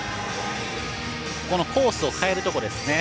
このコースを変えるところですね。